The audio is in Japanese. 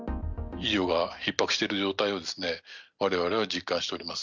医療がひっ迫している状態ですね、われわれは実感しております。